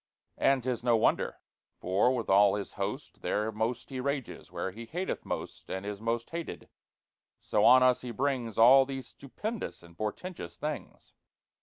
And 'tis no wonder; for, with all his host, There most he rages where he hateth most, And is most hated; so on us he brings All these stupendous and portentous things!"